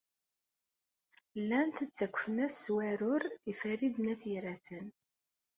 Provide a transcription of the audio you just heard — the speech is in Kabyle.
Llant ttakfent-as s weɛrur i Farid n At Yiraten.